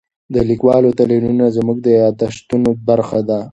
د لیکوالو تلینونه زموږ د یادښتونو برخه ده.